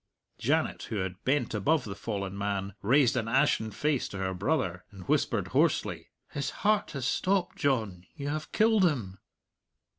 Janet, who had bent above the fallen man, raised an ashen face to her brother, and whispered hoarsely, "His heart has stopped, John; you have killed him!"